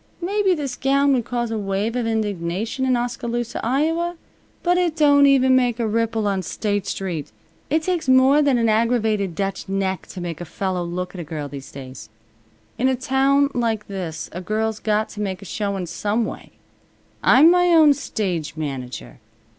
Maybe this gown would cause a wave of indignation in Oskaloosa, Iowa, but it don't even make a ripple on State Street. It takes more than an aggravated Dutch neck to make a fellow look at a girl these days. In a town like this a girl's got to make a showin' some way. I'm my own stage manager.